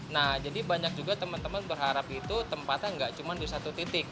nah jadi banyak juga teman teman berharap itu tempatnya nggak cuma di satu titik